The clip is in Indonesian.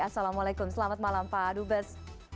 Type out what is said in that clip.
assalamualaikum selamat malam pak dubes